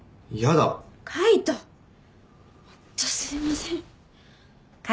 ホンットすいません！